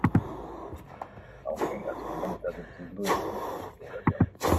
Aunque en la segunda mitad del siglo incrementó su población.